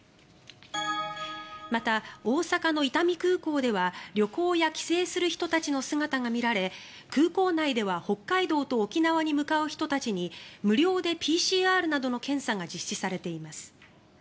また、大阪の伊丹空港では旅行や帰省する人たちの姿が見られ空港内では北海道と沖縄に向かう人たちに無料でＰＣＲなどの検査が実施されています。